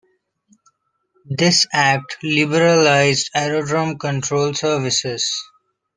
This Act liberalised aerodrome control services.